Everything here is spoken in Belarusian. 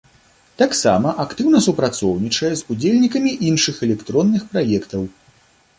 Таксама актыўна супрацоўнічае з удзельнікамі іншых электронных праектаў.